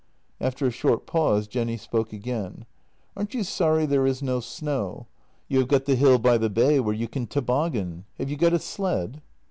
After a short pause Jenny spoke again: "Aren't you sorry there is no snow? You have got the hill by the bay where you can toboggan. Have you got a sled?